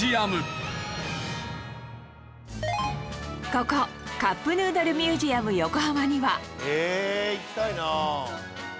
ここカップヌードルミュージアム横浜にはへえ行きたいな。